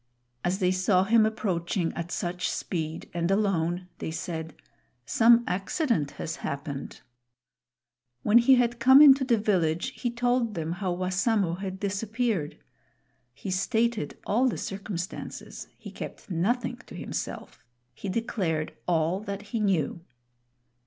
As they saw him approaching at such speed and alone, they said, "Some accident has happened." When he had come into the village, he told them how Wassamo had disappeared. He stated all the circumstances. He kept nothing to himself. He declared all that he knew.